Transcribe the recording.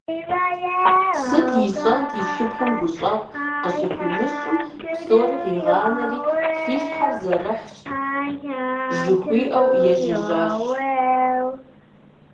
Сыт ищӀэнт, и шыпхъум гущӀэгъу къыщыхуимыщӀым, псори къигъанэри, фи щхьэр зэрыхьщ жыхуиӀэу, ежьэжащ.